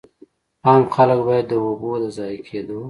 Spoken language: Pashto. عام خلک باید د اوبو د ضایع کېدو.